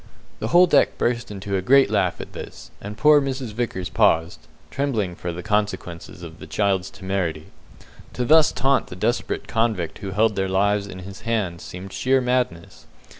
The whole deck burst into a great laugh at this, and poor Mrs. Vickers paused, trembling for the consequences of the child's temerity. To thus taunt the desperate convict who held their lives in his hands seemed sheer madness.